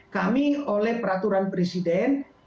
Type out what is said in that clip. kami oleh peraturan presiden